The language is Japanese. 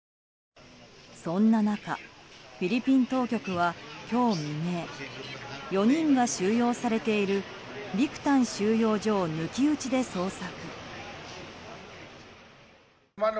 そんな中、フィリピン当局は今日未明４人が収容されているビクタン収容所を抜き打ちで捜索。